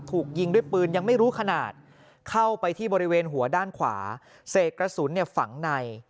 ถูกยิงด้วยปืนยังไม่รู้ขนาดเข้าไปที่บริเวณหัวด้านขวาเสกกระสุนเนี่ยฝังใน